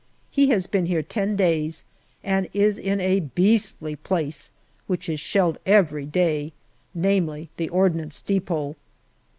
He has been here ten days, and is in a beastly place which is shelled every day, namely the Ordnance depot.